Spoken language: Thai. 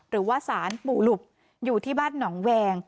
หรือว่าสารปู่หลุบอยู่ที่บ้านหนองแวง